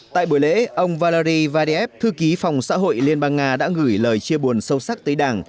tại buổi lễ ông vallary vadiev thư ký phòng xã hội liên bang nga đã gửi lời chia buồn sâu sắc tới đảng